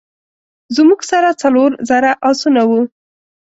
زموږ سره څلور زره آسونه وه.